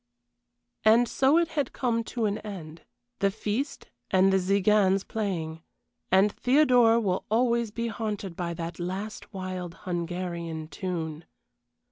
And so it had come to an end the feast and the Tziganes playing, and Theodora will always be haunted by that last wild Hungarian tune.